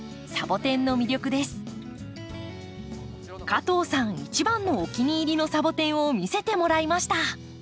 加藤さん一番のお気に入りのサボテンを見せてもらいました。